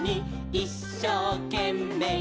「いっしょうけんめい」